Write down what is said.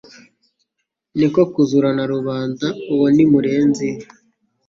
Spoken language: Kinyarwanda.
Ni ko kuzura na Rubanda uwo ni Murenzi,